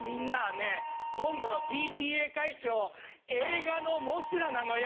ねぇ今度のＰＴＡ会長映画のモスラなのよ。